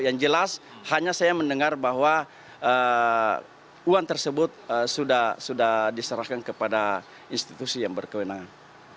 yang jelas hanya saya mendengar bahwa uang tersebut sudah diserahkan kepada institusi yang berkewenangan